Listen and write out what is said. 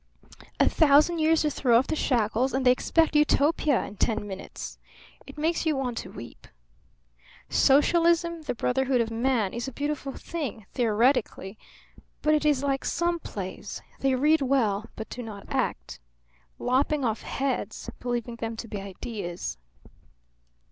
A thousand years to throw off the shackles, and they expect Utopia in ten minutes! It makes you want to weep. Socialism the brotherhood of man is a beautiful thing theoretically; but it is like some plays they read well but do not act. Lopping off heads, believing them to be ideas!"